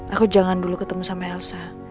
aku jangan dulu ketemu sama elsa